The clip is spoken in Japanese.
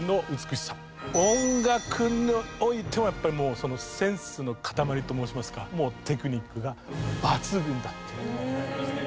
音楽においてはやっぱりもうセンスの塊と申しますかもうテクニックが抜群だった。